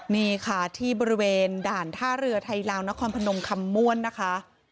นี่ค่ะที่บริเวณด่านท่าเรือไทยลาวนครพนมคำม่วนนะคะ